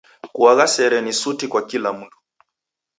Kuagha sere ni suti kwa kila mndu.